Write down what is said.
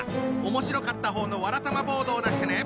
面白かった方のわらたまボードを出してね。